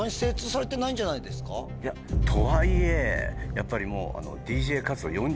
とはいえやっぱりもう。